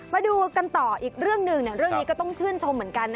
มาดูกันต่ออีกเรื่องหนึ่งเรื่องนี้ก็ต้องชื่นชมเหมือนกัน